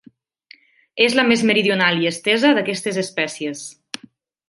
És la més meridional i estesa d'aquestes espècies.